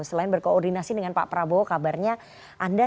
selain berkoordinasi dengan pak prabowo kabarnya anda